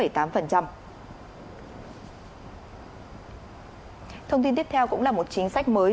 thông tin tiếp theo cũng là một chính sách mới